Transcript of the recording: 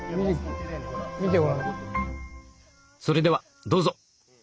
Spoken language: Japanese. それではどうぞ！